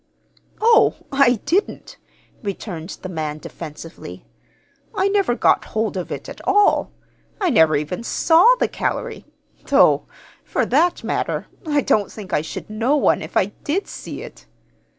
"Oh, I didn't," returned the man, defensively. "I never got hold of it at all. I never even saw the calory though, for that matter, I don't think I should know one if I did see it!